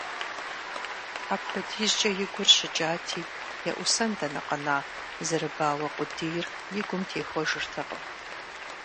Апхуэдизкӏэ и гур щыкӏати, еӏусэн дэнэ къэна, зэрыбауэ къудейр и гум техуэжыртэкъм.